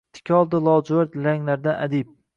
Tikoldi lojuvard ranglardan adib.